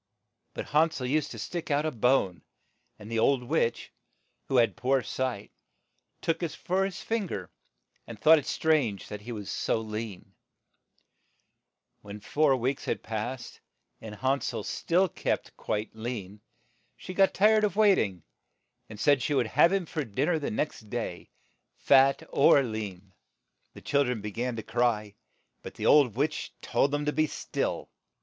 But Han sel used to stick out a bone, and the old witch, who had poor sight, took it for his fin ger, and thought it strange that he was so lean. HANSEL AND GRETIIEL 9 When four weeks had passed, and Han sel still kept quite lean, she got tired of wait ing, and said she would have him for din ner the next day, fat or lean. The chil dren be gan to cry, but the old witch told them to be still.